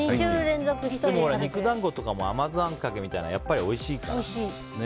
肉団子とかも甘酢あんかけみたいなのはやっぱりおいしいから。